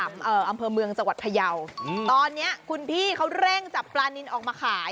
อำเภอเมืองจุฬัพรพรเยาตอนนี้คุณพี่เร่งจับปลานินออกมาขาย